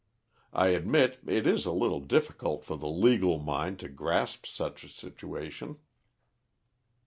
I admit it is a little difficult for the legal mind to grasp such a situation."